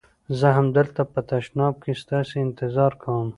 زه همدلته په تشناب کې ستاسي انتظار کوم.